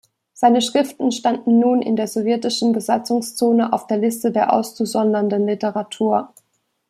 Seine Schriften standen nun in der Sowjetischen Besatzungszone auf der Liste der auszusondernden Literatur.